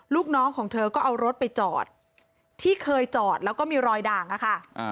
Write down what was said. ลูกน้องของเธอก็เอารถไปจอดที่เคยจอดแล้วก็มีรอยด่างอะค่ะ